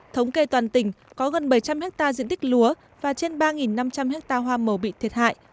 thống kê toàn tỉnh có gần bảy trăm linh ha diện tích lúa và trên ba năm trăm linh ha hoa mờ bị thiệt hại